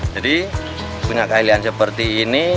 jadi punya keahlian seperti ini